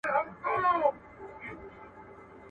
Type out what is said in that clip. چي بې وزره دي قدم ته درختلی یمه.